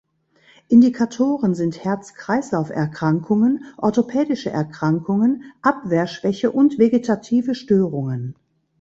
Indikationen sind Herz-Kreislauf-Erkrankungen, orthopädische Erkrankungen, Abwehrschwäche und vegetative Störungen.